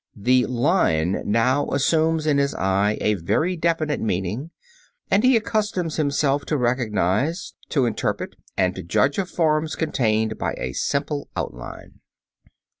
The line now assumes in his eyes a very definite meaning; and he accustoms himself to recognize, to interpret and to judge of forms contained by a simple outline.